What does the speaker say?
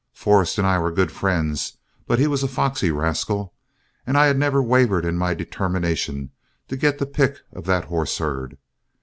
Forrest and I were good friends, but he was a foxy rascal, and I had never wavered in my determination to get the pick of that horse herd.